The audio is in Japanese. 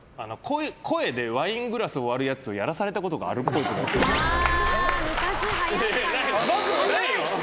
声でワイングラスを割るやつをやらされたことがあるっぽい。×？